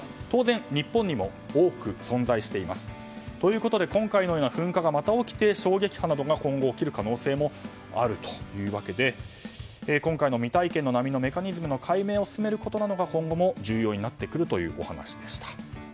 当然、日本にも多く存在しています。ということで今回のような噴火がまた起きて、衝撃波などが今後、起きる可能性もあるというわけで今回の未体験の波のメカニズムの解明を進めることなどが今後も重要になってくるというお話でした。